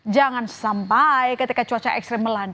jangan sampai ketika cuaca ekstrim melanda